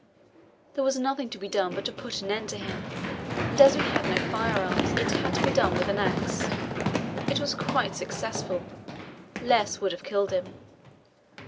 There was nothing to be done but to put an end to him, and as we had no firearms, it had to be done with an axe. It was quite successful; less would have killed him.